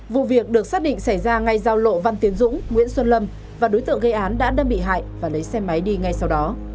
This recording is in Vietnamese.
vụ việc được xác định xảy ra ngay giao lộ văn tiến dũng nguyễn xuân lâm và đối tượng gây án đã đâm bị hại và lấy xe máy đi ngay sau đó